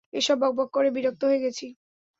এসব বকবক করে বিরক্ত হয়ে গেছি।